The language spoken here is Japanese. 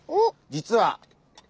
実は。